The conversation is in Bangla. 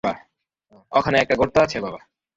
ওখানে একটা গর্ত আছে, বাবা।